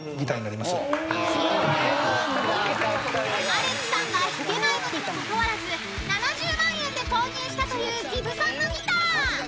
［アレクさんが弾けないのにもかかわらず７０万円で購入したというギブソンのギター］